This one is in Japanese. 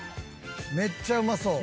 めっちゃうまそう！